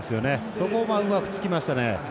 そこをうまくつきましたね。